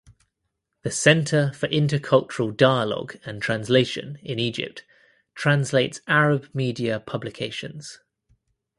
The Center for Intercultural Dialogue and Translation in Egypt translates Arab media publications.